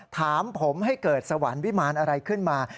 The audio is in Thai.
ถามผมให้เกิดสวรรค์วิมารอะไรขึ้นมา